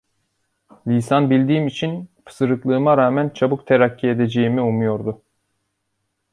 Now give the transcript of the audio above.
Lisan bildiğim için, pısırıklığıma rağmen çabuk terakki edeceğimi umuyordu.